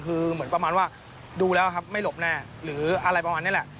คือเหมือนประมาณว่าดูแล้วครับไม่หลบแน่หรืออะไรประมาณนี้แหละ